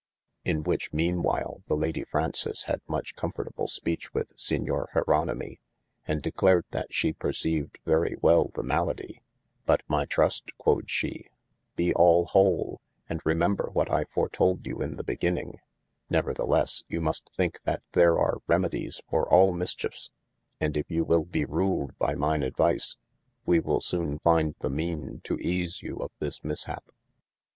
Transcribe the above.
In which meane while the Lady Fraunces had much comfortable speech with signor "Jeronemy and declared yl shee perceived very well the maladie, but my Trust (quod she) be all whole, and remember what I foretould you in the beginning : neverthelesse you must thinke that there are remedies for all mischifes, and if you will be ruled by myne advise, we will soone finde the meane to ease you of this mishap.